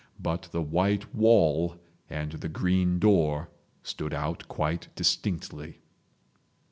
But the white wall and the green door stood out quite distinctly.